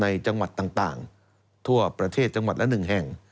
ในจังหวัดต่างทั่วประเทศจังหวัดละ๑แห่ง